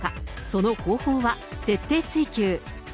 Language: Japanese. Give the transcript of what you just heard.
その方法は。徹底追及。